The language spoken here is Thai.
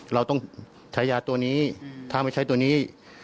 เราต้องใช้ยาตัวนี้ถ้าไม่ใช้ตัวนี้